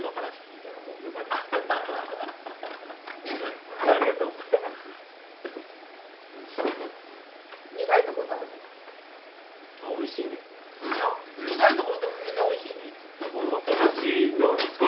いや苦いところでもみんなおいしいねって。